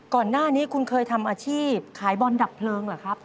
ก่อนหน้านี้คุณเคยทำอาชีพขายบอลดับเพลิงเหรอครับ